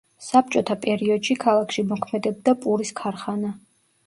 საბჭოთა პერიოდში ქალაქში მოქმედებდა პურის ქარხანა.